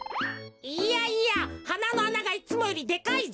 いやいやはなのあながいつもよりでかいぞ。